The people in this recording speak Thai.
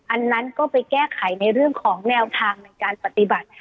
อันนั้นก็ไปแก้ไขในเรื่องของแนวทางในการปฏิบัติ